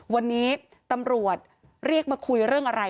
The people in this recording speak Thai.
วันนี้ตำรวจเรียกมาคุยเรื่องอะไร